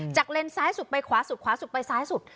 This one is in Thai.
เลนซ้ายสุดไปขวาสุดขวาสุดไปซ้ายสุด